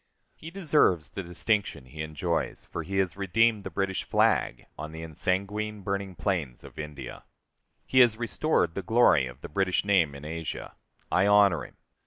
He deserves the distinction he enjoys, for he has redeemed the British flag on the ensanguined, burning plains of India. He has restored the glory of the British name in Asia. I honor him.